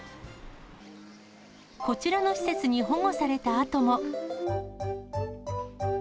こちらの施設に保護されたあとも。